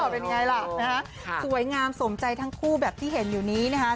เป็นยังไงล่ะนะฮะสวยงามสมใจทั้งคู่แบบที่เห็นอยู่นี้นะคะ